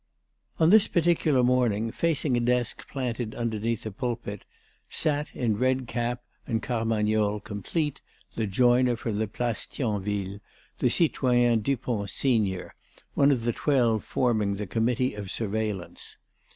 On this particular morning, facing a desk planted underneath the pulpit, sat in red cap and carmagnole complete the joiner from the Place Thionville, the citoyen Dupont senior, one of the twelve forming the Committee of Surveillance.